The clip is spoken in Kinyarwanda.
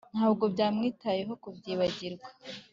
Ntabwo byamwitayeho kubyibagirwa